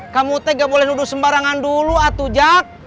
kamu tegak boleh nuduh sembarangan dulu atu jak